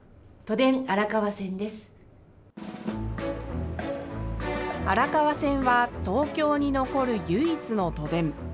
荒川線は東京に残る唯一の都電。